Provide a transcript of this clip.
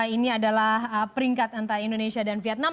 ini adalah peringkat antara indonesia dan vietnam